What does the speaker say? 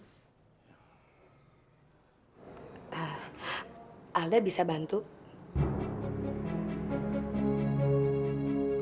siapa lagi yang akan bantu kita di rumah ini